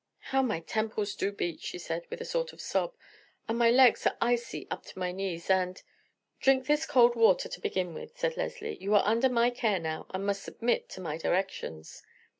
"How my temples do beat," she said with a sort of a sob, "and my legs are icy up to my knees, and——" "Drink this cold water to begin with," said Leslie. "You are under my care now, and must submit to my directions."